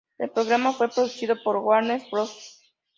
El programa fue producido por Warner Bros.